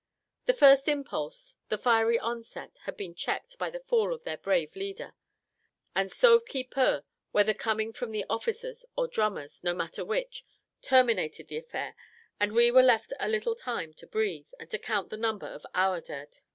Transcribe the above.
The first impulse, the fiery onset, had been checked by the fall of their brave leader, and sauve qui peut, whether coming from the officers or drummers, no matter which, terminated the affair, and we were left a little time to breathe, and to count the number of our dead.